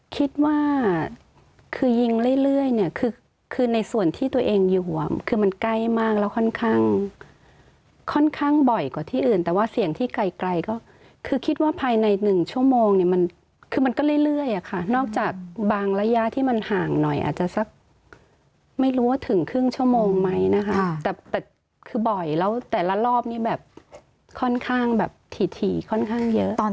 คิดว่าคือยิงเรื่อยเนี่ยคือในส่วนที่ตัวเองอยู่คือมันใกล้มากแล้วค่อนข้างค่อนข้างบ่อยกว่าที่อื่นแต่ว่าเสียงที่ไกลก็คือคิดว่าภายใน๑ชั่วโมงเนี่ยมันคือมันก็เรื่อยอะค่ะนอกจากบางระยะที่มันห่างหน่อยอาจจะสักไม่รู้ว่าถึงครึ่งชั่วโมงไหมนะคะแต่คือบ่อยแล้วแต่ละรอบนี้แบบค่อนข้างแบบถี่ค่อนข้างเยอะ